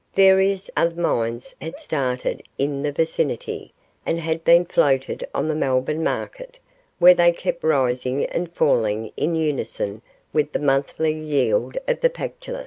Various other mines had started in the vicinity, and had been floated on the Melbourne market, where they kept rising and falling in unison with the monthly yield of the Pactolus.